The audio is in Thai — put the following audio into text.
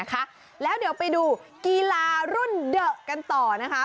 กีฬารุ่นเดอะกันต่อนะคะ